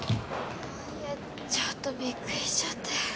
あっいやちょっとびっくりしちゃって。